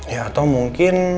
ya atau mungkin